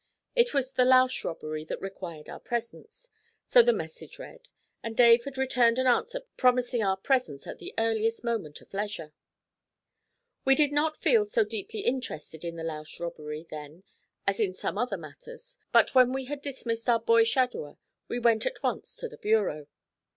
It was the Lausch robbery that 'required our presence,' so the message read, and Dave had returned an answer promising our presence at the earliest moment of leisure. We did not feel so deeply interested in the Lausch robbery then as in some other matters, but when we had dismissed our boy shadower we went at once to the bureau.